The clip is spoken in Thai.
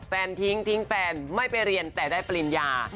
ทิ้งทิ้งแฟนไม่ไปเรียนแต่ได้ปริญญา